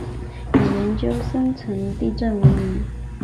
以研究深层地震闻名。